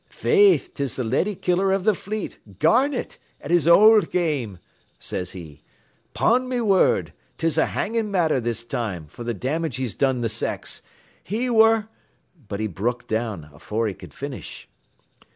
"'Faith, 'tis th' leddy killer av th' fleet, Garnett, at his owld game,' sez he. ''Pon me whurd, 'tis a hangin' matter this time, fer th' damage he's done th' sex. He ware ' but he bruk down afore he could finish.